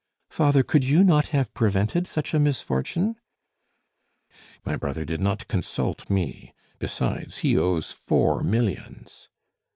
"Father, could you not have prevented such a misfortune?" "My brother did not consult me. Besides, he owes four millions."